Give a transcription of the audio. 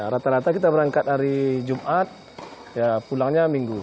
rata rata kita berangkat hari jumat ya pulangnya minggu